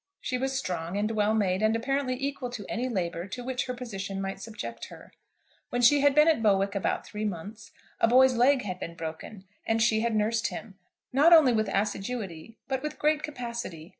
She was strong and well made, and apparently equal to any labour to which her position might subject her. When she had been at Bowick about three months, a boy's leg had been broken, and she had nursed him, not only with assiduity, but with great capacity.